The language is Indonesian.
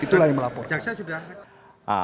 itulah yang melaporkan